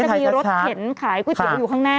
จะมีรถเข็นขายก๋วยเตี๋ยวอยู่ข้างหน้า